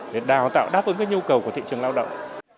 để đào tạo đáp ứng các nhu cầu của thị trường lao động